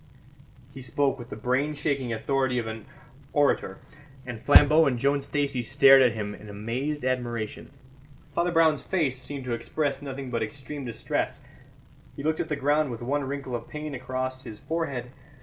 He spoke with the brain shaking authority of an orator, and Flambeau and Joan Stacey stared at him in amazed admiration. Father Brown's face seemed to express nothing but extreme distress; he looked at the ground with one wrinkle of pain across his forehead.